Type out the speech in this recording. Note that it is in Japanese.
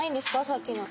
さっきの。